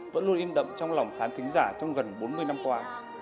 vẫn luôn in đậm trong lòng khán thính giả trong gần bốn mươi năm qua